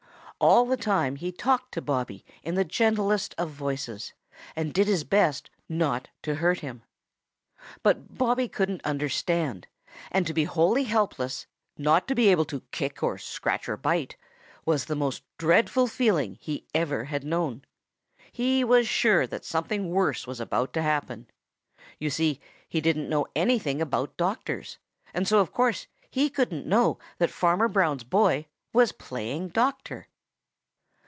All the time he talked to Bobby in the gentlest of voices and did his best not to hurt him. But Bobby couldn't understand, and to be wholly helpless, not to be able to kick or scratch or bite, was the most dreadful feeling he ever had known. He was sure that something worse was about to happen. You see, he didn't know anything about doctors, and so of course he couldn't know that Farmer Brown's boy was playing doctor.